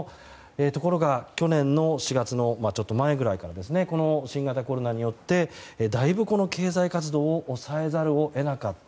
ところが、去年４月のちょっと前ぐらいから新型コロナによってだいぶ、この経済活動を抑えざるを得なかった。